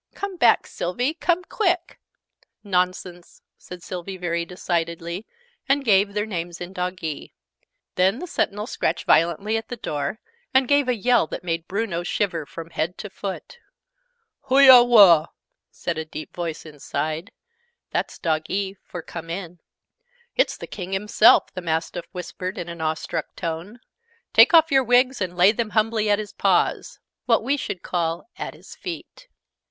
Come back, Sylvie! Come quick!" "Nonsense!" said Sylvie very decidedly: and gave their names in Doggee. Then the Sentinel scratched violently at the door, and gave a yell that made Bruno shiver from head to foot. "Hooyah wah!" said a deep voice inside. (That's Doggee for "Come in!") "It's the King himself!" the Mastiff whispered in an awestruck tone. "Take off your wigs, and lay them humbly at his paws." (What we should call "at his feet.")